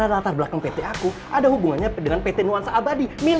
lebih banyak diem